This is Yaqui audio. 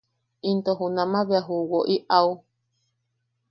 Into junama bea ju woʼi au.